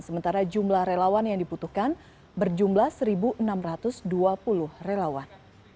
sementara jumlah relawan yang dibutuhkan berjumlah satu enam ratus dua puluh relawan